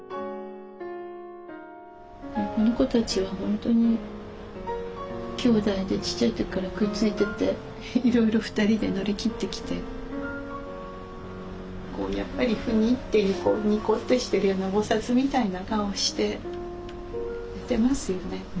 この子たちは本当に兄弟でちっちゃい時からくっついてていろいろ２人で乗り切ってきてこうやっぱりフニッていうニコッとしてるような菩薩みたいな顔して寝てますよね。